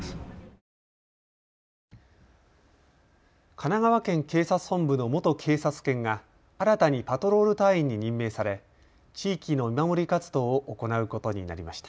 神奈川県警察本部の元警察犬が新たにパトロール隊員に任命され地域の見守り活動を行うことになりました。